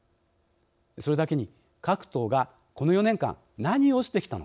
それだけに各党がこの４年間何をしてきたのか。